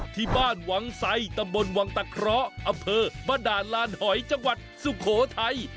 ที่บ้านวังไซตำบลวังตะเคราะห์อำเภอบ้านด่านลานหอยจังหวัดสุโขทัย